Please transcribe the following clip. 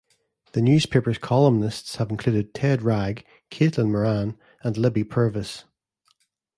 The newspaper's columnists have included Ted Wragg, Caitlin Moran and Libby Purves.